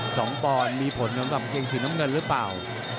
สองปอนด์มีผลเหมือนกับเกงสีน้ำเงินรึเปล่า